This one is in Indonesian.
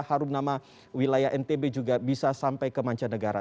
harum nama wilayah ntb juga bisa sampai ke mancanegara